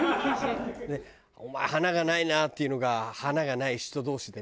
「お前華がないな」っていうのが華がない人同士でね。